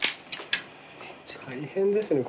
大変ですねこれ印刷も。